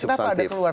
kenapa ada keluar